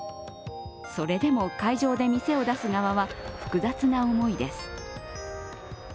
それでも、会場で店を出す側は複雑な思いです。